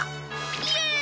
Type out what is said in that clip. イエーイ！